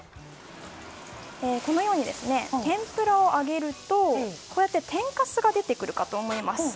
このように天ぷらを揚げると天かすが出てくるかと思います。